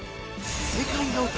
世界の宝